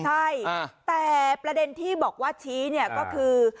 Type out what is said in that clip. ใช่แต่ประเด็นที่บอกว่าชี้เนี่ยก็คือ